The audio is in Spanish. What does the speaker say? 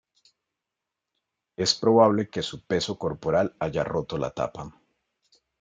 Es probable que su peso corporal haya roto la tapa.